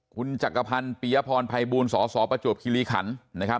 คุณจักรพันธ์ปียพรภัยบูลสสประจวบคิริขันนะครับ